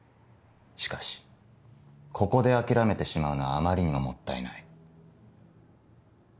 しかしここで諦めてしまうのはあまりにももったいない。